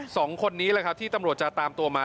สองคนนี้แหละครับที่ตำรวจจะตามตัวมา